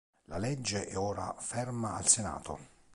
La legge è ora ferma al Senato.